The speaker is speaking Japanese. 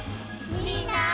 みんな。